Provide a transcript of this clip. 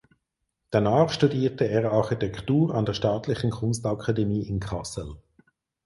Danach studierte er Architektur an der Staatlichen Kunstakademie in Kassel.